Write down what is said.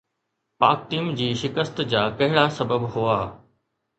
پاڪ ٽيم جي شڪست جا ڪهڙا سبب هئا؟